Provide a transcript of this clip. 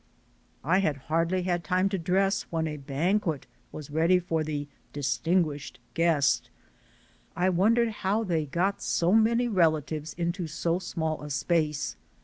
I had scarcely had time to dress, when a "banquet" was ready for the "distinguished'* guest. I won dered how they got so many relatives into so small a space.